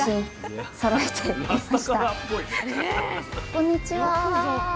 こんにちは！